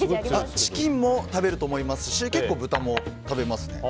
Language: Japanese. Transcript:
チキンも食べると思いますけど結構、豚も食べますね。